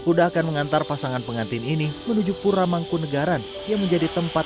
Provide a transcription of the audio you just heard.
kuda akan mengantar pasangan pengantin ini menuju pura mangkunegaran yang menjadi tempat